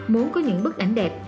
muốn có những bức ảnh đẹp